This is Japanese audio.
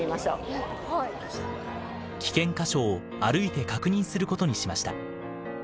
危険箇所を歩いて確認することにしました。